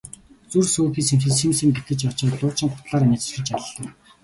Зүр сөөхий өмсөж сэм сэм гэтэж очоод луучин гутлаараа няц өшиглөж аллаа.